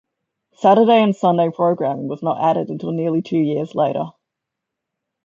Saturday and Sunday programming was not added until nearly two years later.